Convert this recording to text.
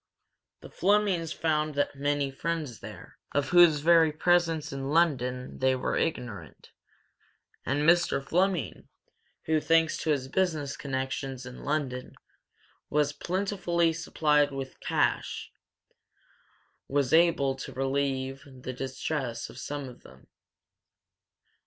The Flemings found many friends there, of whose very presence in London they were ignorant, and Mr. Fleming, who, thanks to his business connections in London, was plentifully supplied with cash, was able to relieve the distress of some of them.